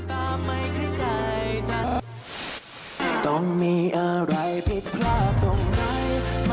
โอ้โหผู้ชมคันเพศไม่รู้จะอธิบายยังไงค่ะ